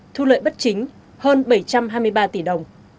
thu lợi bất chính hơn bảy trăm hai mươi ba tỷ đồng